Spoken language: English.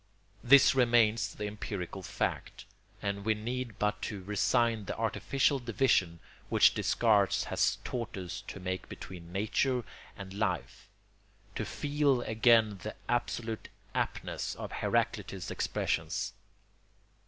This remains the empirical fact; and we need but to rescind the artificial division which Descartes has taught us to make between nature and life, to feel again the absolute aptness of Heraclitus's expressions.